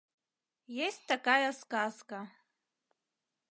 Есть такая сказка.